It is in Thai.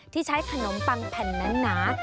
ที่ใช้ขนมปังแผ่นนั้นหนา